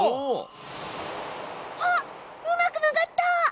あっうまく曲がった！